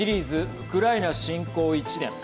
ウクライナ侵攻１年。